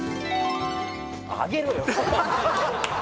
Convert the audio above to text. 上げろよ！